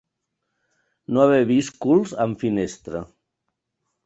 No haver vist culs en finestra.